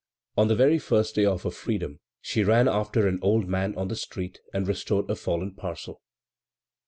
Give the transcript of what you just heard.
On the very first day of her freedom she ran after an old man on the street and restored a fallen parcel.